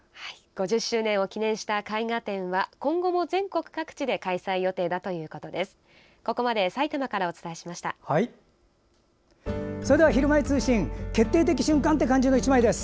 ５０周年を記念した絵画展は今後も全国各地で開催予定だということです。